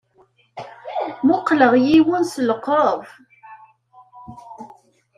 Mmuqqleɣ yiwen s lqerb.